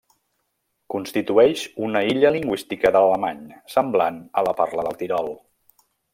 Constitueix una illa lingüística de l'alemany, semblant a la parla de Tirol.